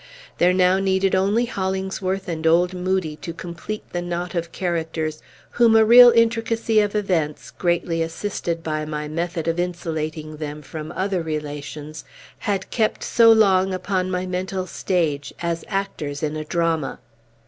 There now needed only Hollingsworth and old Moodie to complete the knot of characters, whom a real intricacy of events, greatly assisted by my method of insulating them from other relations, had kept so long upon my mental stage, as actors in a drama.